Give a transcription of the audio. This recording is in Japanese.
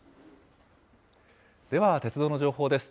では鉄道の情報です。